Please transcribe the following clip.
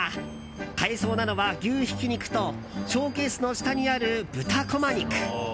買えそうなのは牛ひき肉とショーケースの下にある豚こま肉。